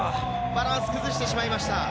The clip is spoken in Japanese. バランスを崩してしまいました。